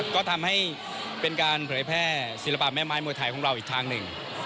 ก็ทำให้เป็นการเผยแพร่ศิลปะแม่ไม้มวยไทยของเราอีกทางหนึ่ง